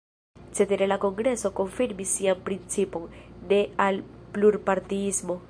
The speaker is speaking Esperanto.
Cetere la kongreso konfirmis sian principon: ne al plurpartiismo.